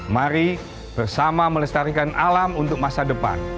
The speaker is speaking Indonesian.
mari bersama melestarikan alam untuk masa depan